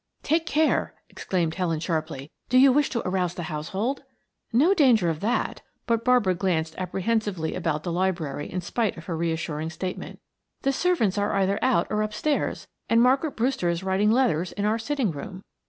"Take care!" exclaimed Helen sharply. "Do you wish to arouse the household?" "No danger of that." But Barbara glanced apprehensively about the library in spite of her reassuring statement. "The servants are either out or upstairs, and Margaret Brewster is writing letters in our sitting room."